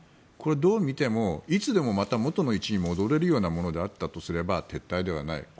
これはどう見てもいつでもまた元の位置に戻れるようなものであったとすれば撤退ではない。